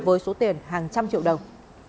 với số tiền hàng trăm triệu đồng